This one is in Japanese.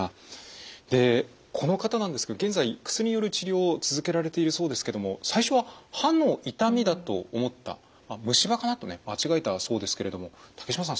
でこの方なんですが現在薬による治療を続けられているそうですけども最初は歯の痛みだと思ったまあ虫歯かな？とね間違えたそうですけれども竹島さん